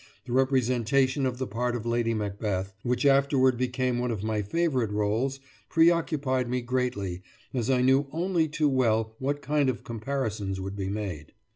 The representation of the part of Lady Macbeth, which afterward became one of my favourite roles, preoccupied me greatly, as I knew only too well what kind of comparisons would be made.